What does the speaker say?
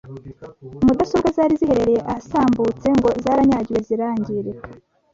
mudasobwa zari ziherereye ahasambutse ngo zaranyagiwe zirangirika